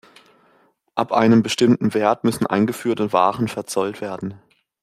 Ab einem bestimmten Wert müssen eingeführte Waren verzollt werden.